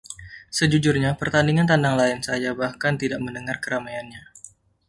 Sejujurnya, pertandingan tandang lain saya bahkan tidak mendengar keramaiannya.